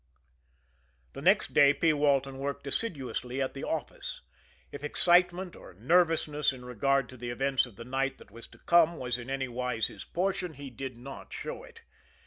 The next day P. Walton worked assiduously at the office. If excitement or nervousness in regard to the events of the night that was to come was in any wise his portion, he did not show it.